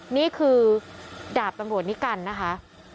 นี่คือดาบบั่งบวชนิกกันนะคะ